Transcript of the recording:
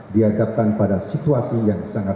dihadapkan pada situasi yang sangat